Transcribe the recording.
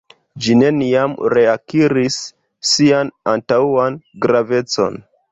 Ĝi neniam reakiris sian antaŭan gravecon.